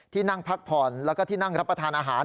ที่นั่งพักผ่อนแล้วก็ที่นั่งรับประทานอาหาร